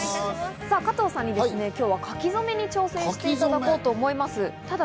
加藤さんに書き初めに挑戦していただこうと思います。